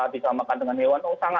disamakan dengan hewan